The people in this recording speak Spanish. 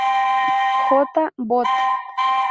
J. Bot.